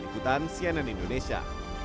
dikutan cnn indonesia